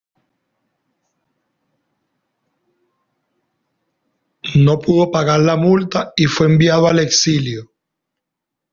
No pudo pagar la multa y fue enviado al exilio.